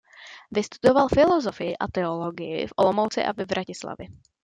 Vystudoval filozofii a teologii v Olomouci a ve Vratislavi.